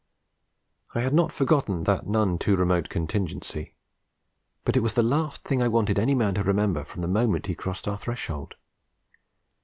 I had not forgotten that none too remote contingency. But it was the last thing I wanted any man to remember from the moment he crossed our threshold.